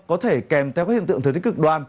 có thể kèm theo các hiện tượng thời tiết cực đoan